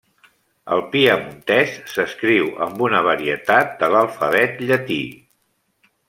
El piemontès s'escriu amb una varietat de l'alfabet llatí.